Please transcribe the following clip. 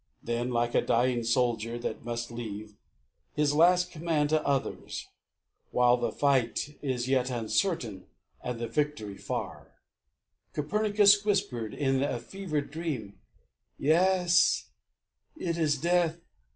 Then, like a dying soldier, that must leave His last command to others, while the fight Is yet uncertain, and the victory far, Copernicus whispered, in a fevered dream, "Yes, it is Death.